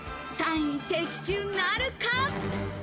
３位的中なるか？